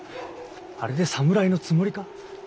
あれで侍のつもりか？